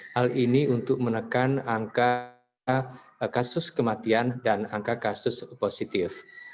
hal ini untuk menekan angka kasus kematian dan angka kasus positif